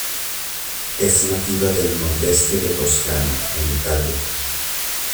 Es nativa del nordeste de Toscana en Italia.